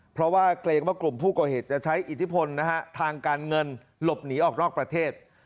เพราะว่าเกรงว่ากลุ่มผู้ก่อเหตุจะใช้อิทธิพลนะฮะทางการเงินหลบหนีออกนอกประเทศ